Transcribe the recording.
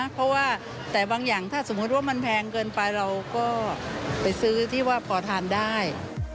เพราะว่าแต่บางอย่างถ้าสมมุติว่ามันแพงเกินไปเราก็ไปซื้อที่ว่าพอทานได้